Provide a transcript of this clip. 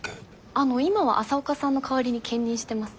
あの今は朝岡さんの代わりに兼任してます。